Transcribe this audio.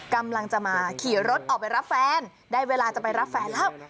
กำลังจะมาขี่รถออกไปรับแฟนได้เวลาจะไปรับแฟนแล้ว